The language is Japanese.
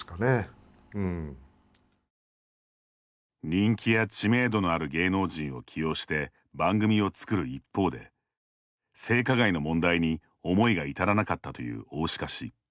人気や知名度のある芸能人を起用して番組を作る一方で性加害の問題に、思いが至らなかったという大鹿氏。